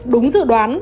đúng dự đoán